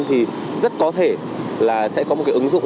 thì rất có thể là sẽ có một cái ứng dụng